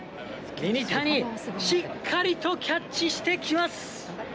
ミニタニ、しっかりとキャッチしてきます。